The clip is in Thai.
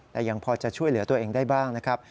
แต่ยังพอจะช่วยเหลือตัวเองได้บ้างนะครับ